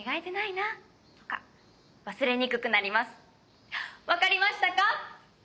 わかりましたか？